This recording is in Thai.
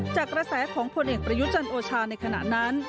จากกระแสของผลเอกประยุจันทร์โอชาในขณะนั้น